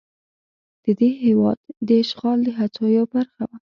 د دې هېواد د اشغال د هڅو یوه برخه وه.